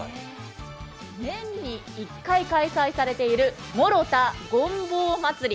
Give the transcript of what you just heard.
年に１回開催されている諸田ごんぼう祭り。